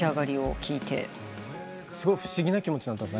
すごい不思議な気持ちに。